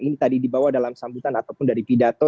ini tadi dibawa dalam sambutan ataupun dari pidato